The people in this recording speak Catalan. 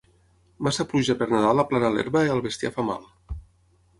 Massa pluja per Nadal aplana l'herba i al bestiar fa mal.